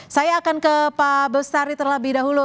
saya akan ke pak bestari terlebih dahulu